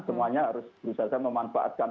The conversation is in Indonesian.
semuanya harus berusaha memanfaatkan